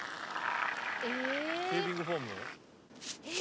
シェービングフォーム？え！